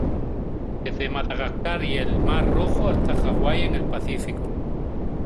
Desde Madagascar y el mar Rojo hasta Hawái, en el Pacífico.